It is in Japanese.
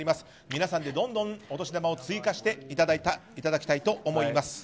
皆さんでどんどんお年玉を追加していただきたいと思います。